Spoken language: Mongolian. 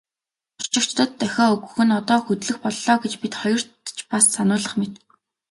Зорчигчдод дохио өгөх нь одоо хөдлөх боллоо гэж бид хоёрт ч бас сануулах мэт.